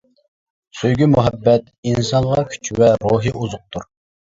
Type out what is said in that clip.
سۆيگۈ-مۇھەببەت ئىنسانغا كۈچ ۋە روھى ئوزۇقتۇر.